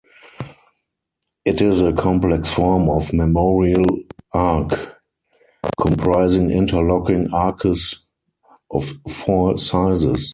It is a complex form of memorial arch, comprising interlocking arches of four sizes.